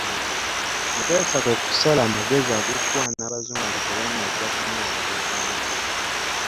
Mutesa kwe kusala amagezi ag'okukwana Abazungu nga tebannajja kumuwangula buwanguzi.